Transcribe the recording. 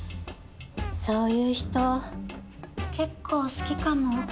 そういう人結構好きかも。